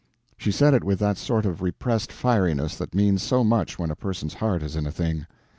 She said it with that sort of repressed fieriness that means so much when a person's heart is in a thing.